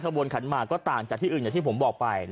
ควะบนขันมากต่างจากที่อื่นอย่างที่บอกไป